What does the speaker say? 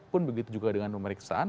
pun begitu juga dengan pemeriksaan